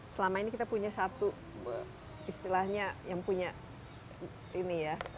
selama ini kita punya satu istilahnya yang punya ini ya